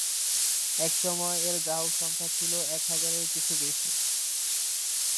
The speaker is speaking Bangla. এ সময় এর গ্রাহক সংখ্যা ছিল এক হাজারের কিছু বেশি।